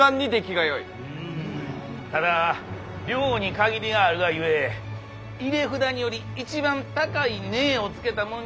ただ量に限りがあるがゆえ入札により一番高い値をつけたものに売ることにした。